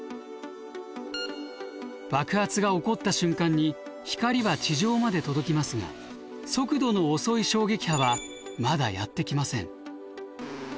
爆発が起こった瞬間に光は地上まで届きますが速度の遅い衝撃波はまだやって来ません。